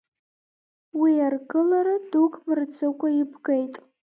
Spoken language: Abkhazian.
Уи аргылара дук мырҵыкәа ибгеит.